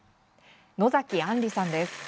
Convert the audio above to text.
野崎安里さんです。